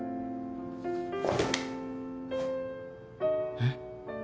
えっ？